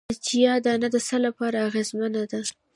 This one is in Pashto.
د چیا دانه د څه لپاره اغیزمنه ده؟